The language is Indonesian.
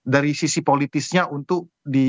dari sisi politisnya untuk di